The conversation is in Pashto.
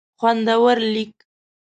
خوندور لیک